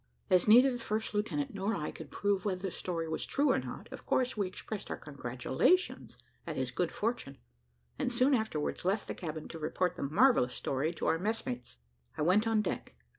As neither the first lieutenant nor I could prove whether the story was true or not, of course we expressed our congratulations at his good fortune, and soon afterwards left the cabin to report the marvellous story to our messmates. I went on deck.